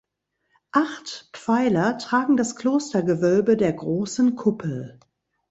Acht Pfeiler tragen das Klostergewölbe der großen Kuppel.